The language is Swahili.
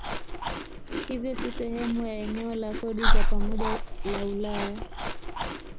Hivyo si sehemu ya eneo la kodi za pamoja la Ulaya.